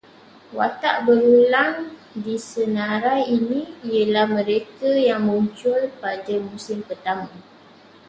Watak berulang di senarai ini ialah mereka yang muncul pada musim pertama